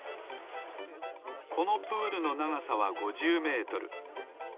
このプールのながさは５０メートル。